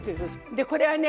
でこれはね